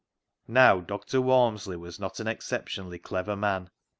" Now, Dr. Walmsley was not an exception ally clever man.